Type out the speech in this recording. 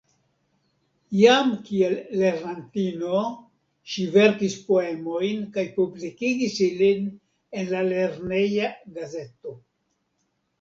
Jam kiel lernantino ŝi verkis poemojn kaj publikigis ilin en la lerneja gazeto.